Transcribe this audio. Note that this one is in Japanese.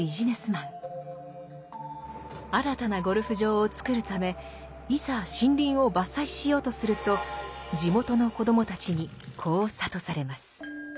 新たなゴルフ場をつくるためいざ森林を伐採しようとすると地元の子どもたちにこう諭されます。